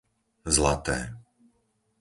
Zlaté